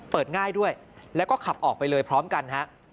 ง่ายด้วยแล้วก็ขับออกไปเลยพร้อมกันฮะ